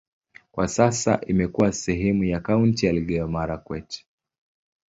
Kwa sasa imekuwa sehemu ya kaunti ya Elgeyo-Marakwet.